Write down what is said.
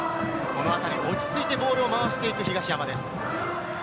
落ち着いてボールを回していく東山です。